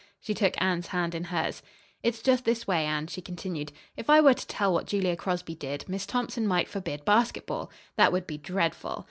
She took Anne's hand in hers. "It's just this way, Anne," she continued. "If I were to tell what Julia Crosby did, Miss Thompson might forbid basketball. That would be dreadful.